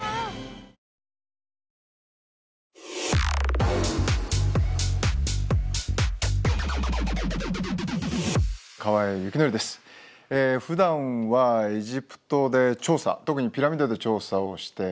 ふだんはエジプトで調査特にピラミッドで調査をしています。